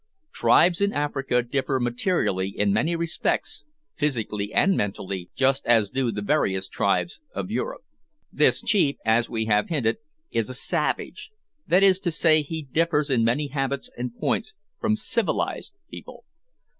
Tribes in Africa differ materially in many respects, physically and mentally, just as do the various tribes of Europe. This chief, as we have hinted, is a "savage;" that is to say, he differs in many habits and points from "civilised" people.